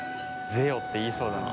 「ぜよ」って言いそうだな。